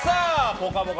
「ぽかぽか」